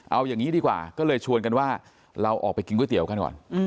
เอาอย่างนี้ดีกว่าก็เลยชวนกันว่าเราออกไปกินก๋วยเตี๋ยวกันก่อน